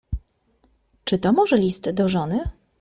"Czy to może list do żony?"